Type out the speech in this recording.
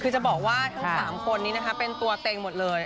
คือจะบอกว่าทั้ง๓คนนี้นะคะเป็นตัวเต็งหมดเลย